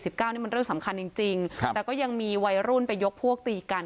นี่มันเรื่องสำคัญจริงจริงครับแต่ก็ยังมีวัยรุ่นไปยกพวกตีกัน